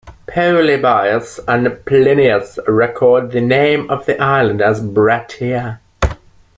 Polybius and Plinius record the name of the island as "Brattia".